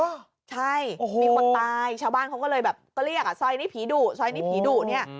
มีคนตายชาวบ้านเขาเรียกซอยนี้ผีดุ